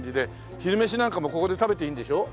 昼飯なんかもここで食べていいんでしょう？